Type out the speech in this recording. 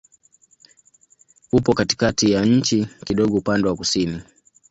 Upo katikati ya nchi, kidogo upande wa kusini.